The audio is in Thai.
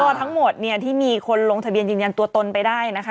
ก็ทั้งหมดเนี่ยที่มีคนลงทะเบียนยืนยันตัวตนไปได้นะคะ